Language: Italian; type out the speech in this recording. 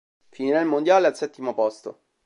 Finirà il mondiale al settimo posto.